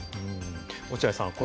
落合さん